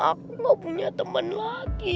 aku gak punya teman lagi